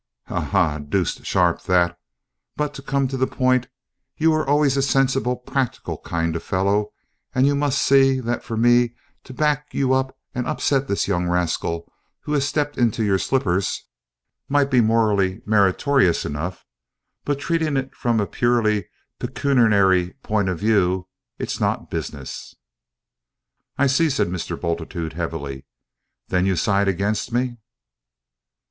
"Ha, ha, deuced sharp that! But, to come to the point, you were always a sensible practical kind of a fellow, and you must see, that, for me to back you up and upset this young rascal who has stepped into your slippers, might be morally meritorious enough, but, treating it from a purely pecuniary point of view, it's not business." "I see," said Mr. Bultitude heavily; "then you side against me?"